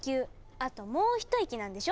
あともう一息なんでしょ？